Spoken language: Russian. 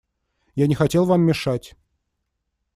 Я не хотел вам мешать.